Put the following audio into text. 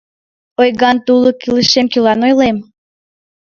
Ойган тулык илышем кӧлан ойлем?